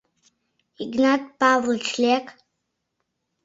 «Игнат Павлыч, лек!